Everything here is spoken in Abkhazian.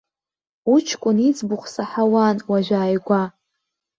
Уҷкәын иӡбахә саҳауан уажәааигәа.